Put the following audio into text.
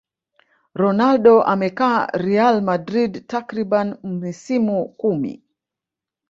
ronaldo amekaa real madrid takriban misimu kumi